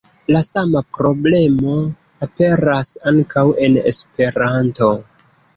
La sama problemo aperas ankaŭ en Esperanto.